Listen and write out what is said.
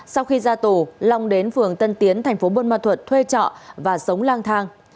sau khi ra tù long đến phường tân tiến tp buôn ma thuật thuê trọ và sống lang thang